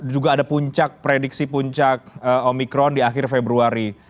juga ada puncak prediksi puncak omikron di akhir februari